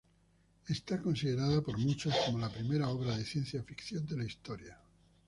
Es considerada por muchos como la primera obra de ciencia ficción de la historia.